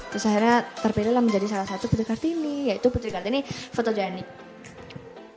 terus akhirnya terpilih lah menjadi salah satu putri kartini yaitu putri kartini fotogenik